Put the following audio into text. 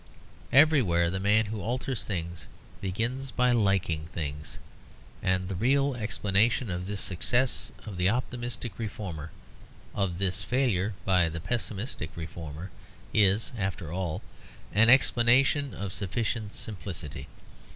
Everywhere the man who alters things begins by liking things. And the real explanation of this success of the optimistic reformer, of this failure of the pessimistic reformer, is, after all, an explanation of sufficient simplicity.